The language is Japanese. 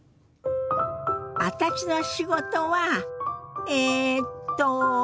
私の仕事はえっと